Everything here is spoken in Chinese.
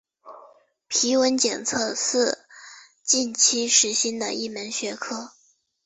皮纹检测是近期时兴的一门学科。